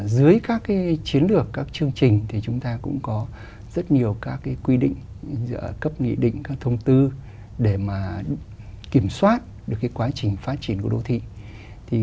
dưới các chiến lược các chương trình thì chúng ta cũng có rất nhiều các quy định cấp nghị định các thông tư để kiểm soát được quá trình phát triển của đô thị